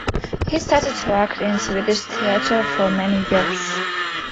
He started to act in Swedish theatre for many years.